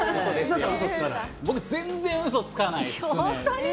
僕、うそつかないですね。